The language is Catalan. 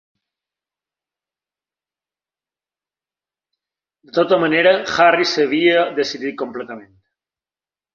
De tota manera, Harry s'havia decidit completament.